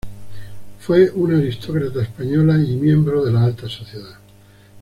Fue una aristócrata española y miembro de la alta sociedad.